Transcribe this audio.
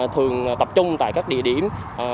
thường tập trung tại các địa điểm